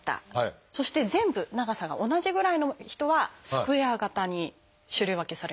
そして全部長さが同じぐらいの人は「スクエア型」に種類分けされるんですね。